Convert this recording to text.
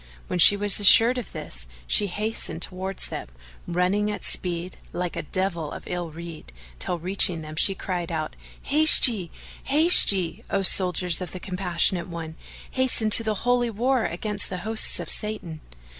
When she was assured of this, she hastened towards them, running at speed, like a devil of ill rede, till reaching them she cried out, "Haste ye! haste ye! O soldiers of the Compassionate One, hasten to the Holy War against the hosts of Satan!"